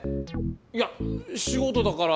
いや仕事だから。